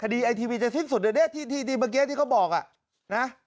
ที่ทีเพิ่งเย็นทีเขาบอกนะ